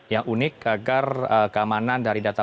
yang unik agar keamanan dari data